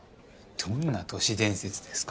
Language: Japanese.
どんな都市伝説ですか。